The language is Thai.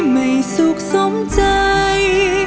ไม่สุขสมใจ